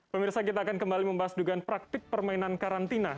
pemirsa kita akan kembali membahas dugaan praktik permainan karantina